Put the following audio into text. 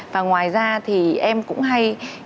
và ngoài ra thì em cũng hay